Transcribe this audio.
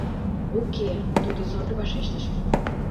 — Уке, — тудо содор вашештыш.